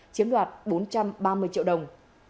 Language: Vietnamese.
chiếm đoạt bốn trăm ba mươi triệu đồng